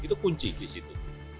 itu kunci di situ